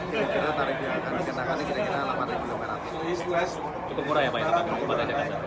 kira kira tarifnya akan dikenakan kira kira delapan ribu dolar